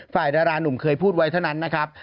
ดารานุ่มเคยพูดไว้เท่านั้นนะครับ